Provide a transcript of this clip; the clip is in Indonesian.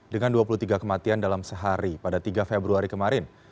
dengan dua puluh tiga kematian dalam sehari pada tiga februari kemarin